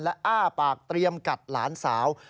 และอ้าปากเตรียมกัดหลานสาว